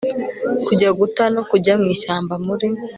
Kujya guta no kujya mwishyamba muri